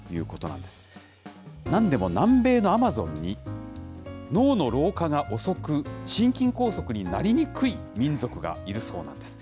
なんでも南米のアマゾンに脳の老化が遅く、心筋梗塞になりにくい民族がいるそうなんです。